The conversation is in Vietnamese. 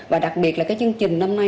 và đặc biệt là chương trình năm nay